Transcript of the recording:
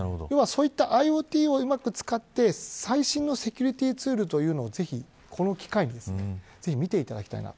ＩｏＴをうまく使って最新のセキュリティツールをぜひ、この機会に見ていただきたいなと。